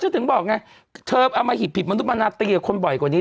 เธอเอามาหิดผิดมนุษย์มนาตรีกับคนบ่อยกว่านี้